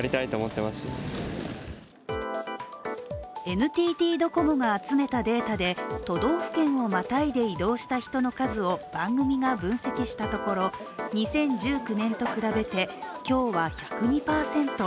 ＮＴＴドコモが集めたデータで都道府県をまたいで移動した人の数を番組が分析したところ、２０１９年と比べて今日は１０２％。